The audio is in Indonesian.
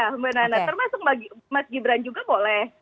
termasuk mas gibran juga boleh